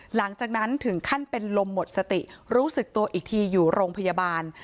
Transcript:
หลังจากนั้นถึงขั้นเป็นลมหมดสติรู้สึกตัวอีกทีอยู่โรงพยาบาล